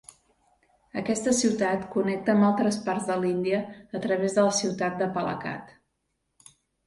Aquesta ciutat connecta amb altres parts de l'Índia a través de la ciutat de Palakkad.